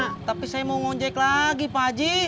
oh tapi saya mau ngejek lagi pak aji